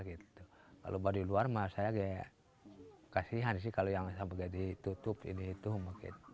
kalau baduy luar saya kasihan sih kalau yang seperti itu tutup